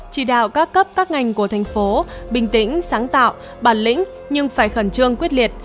chỉ đạo các cấp các ngành của thành phố bình tĩnh sáng tạo bản lĩnh nhưng phải khẩn trương quyết liệt